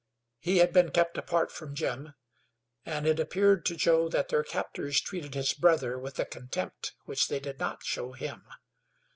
He had been kept apart from Jim, and it appeared to Joe that their captors treated his brother with a contempt which they did not show him.